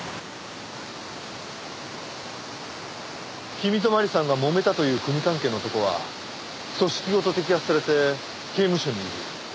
君と麻里さんがもめたという組関係の男は組織ごと摘発されて刑務所にいる。